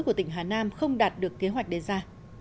của tỉnh hà nam không đạt được kế hoạch đề ra